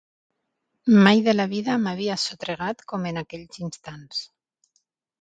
Mai de la vida m'havia sotregat com en aquells instants.